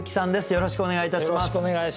よろしくお願いします。